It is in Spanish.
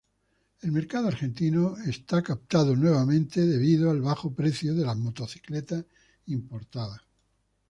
El mercado argentino es captado nuevamente, debido al bajo precio de las motocicletas importadas.